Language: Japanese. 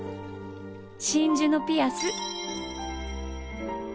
真珠のピアス。